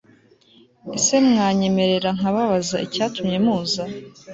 ese mwanyemerera nkababaza icyatumye muza